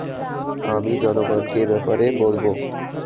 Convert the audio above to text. আমি জনগণকে এ ব্যাপারে বলবো।